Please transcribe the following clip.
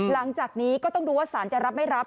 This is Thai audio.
หลังจากนี้ก็ต้องดูว่าสารจะรับไม่รับ